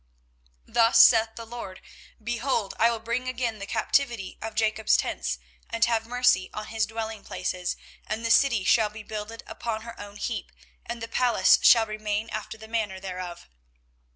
24:030:018 Thus saith the LORD; Behold, I will bring again the captivity of Jacob's tents, and have mercy on his dwellingplaces; and the city shall be builded upon her own heap, and the palace shall remain after the manner thereof.